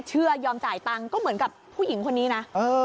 ยอมจ่ายตังค์ก็เหมือนกับผู้หญิงคนนี้นะ